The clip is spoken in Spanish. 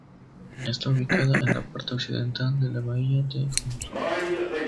Está ubicada en la parte occidental de la bahía de Hudson.